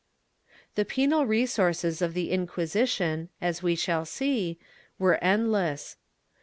The penal resources of the Inquisition, as we shall see, were endless.